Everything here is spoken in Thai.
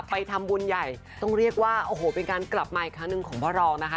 ไปทำบุญใหญ่ต้องเรียกว่าโอ้โหเป็นการกลับมาอีกครั้งหนึ่งของพ่อรองนะคะ